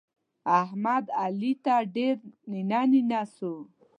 احمد؛ علي ته ډېر نينه نينه سو.